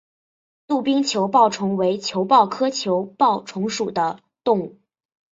杜宾球孢虫为球孢科球孢虫属的动物。